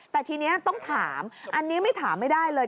แต่ทีนี้ต้องถามอันนี้ไม่ถามไม่ได้เลย